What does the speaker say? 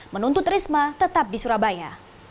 menuntut risma tetap di surabaya